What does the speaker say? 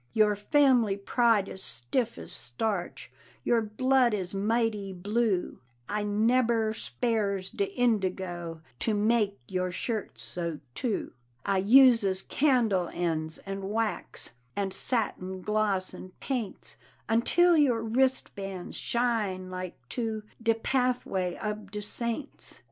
Your family pride is stiff as starch, Your blood is mighty blue I nebber spares de indigo To make your shirts so, too. I uses candle ends, and wax, And satin gloss and paints, Until your wristbands shine like to De pathway ob de saints.